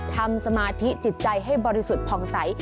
ทำสมาธิจิตใจให้บริสุทธิ์พองศัย